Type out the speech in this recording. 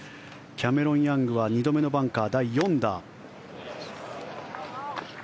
キャメロン・ヤングは２度目のバンカー、第４打。